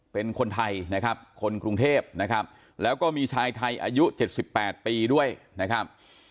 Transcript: เป็นคนไทยนะครับคนกรุงเทพนะครับแล้วก็มีชายไทยอายุ๗๘ปีด้วยนะครับ